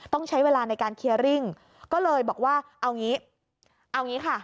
ต้องใช้เวลาในการเคลียร์ริ่งก็เลยบอกว่าเอางี้เอางี้ค่ะ